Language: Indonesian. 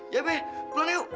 ya be pulang yuk